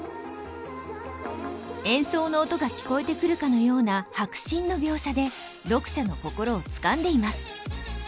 演奏の音が聴こえてくるかのような迫真の描写で読者の心をつかんでいます。